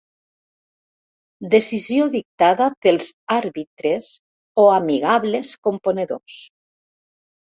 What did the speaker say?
Decisió dictada pels àrbitres o amigables componedors.